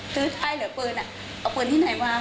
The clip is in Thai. คือถ้าเหลือปืนเอาปืนที่ไหนมา